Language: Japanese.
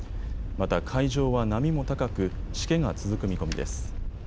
また海上は波も高くしけが続く見込みです。